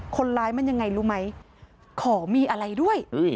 คนร้ายมันยังไงรู้ไหมขอมีอะไรด้วย